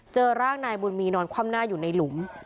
เจอร่างนายบุญมีนอนคว่ำหน้าอยู่ในหลุม